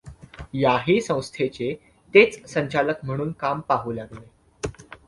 याही संस्थेचे तेच संचालक म्हणून काम पाहू लागले.